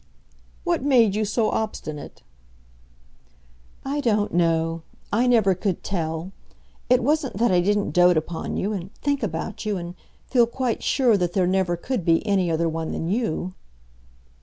"What made you so obstinate?" "I don't know. I never could tell. It wasn't that I didn't dote upon you, and think about you, and feel quite sure that there never could be any other one than you."